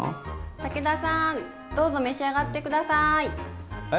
武田さんどうぞ召し上がって下さい！